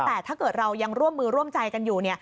แต่ถ้าเกิดเรายังร่วมมือร่วมใจกันอยู่